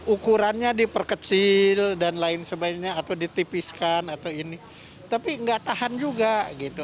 ukurannya diperkecil dan lain sebagainya atau ditipiskan atau ini tapi nggak tahan juga gitu